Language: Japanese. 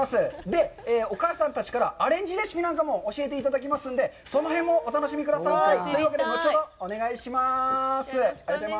で、お母さんたちからアレンジレシピなんかも教えていただきますんで、その辺もお楽しみください。というわけで、後ほどお願いします。